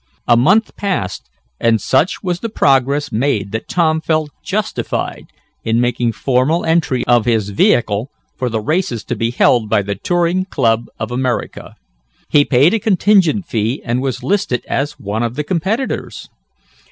A month passed, and such was the progress made that Tom felt justified in making formal entry of his vehicle for the races to be held by the Touring Club of America. He paid a contingent fee and was listed as one of the competitors.